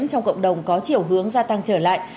trong cộng đồng có chiều hướng gia tăng trở lại